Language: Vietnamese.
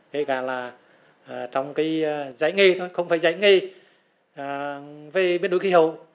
kể cả là trong cái dạy nghề thôi không phải giải nghề về biến đổi khí hậu